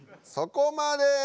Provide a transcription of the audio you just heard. そこまで！